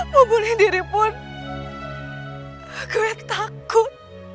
membunuh diri pun gue takut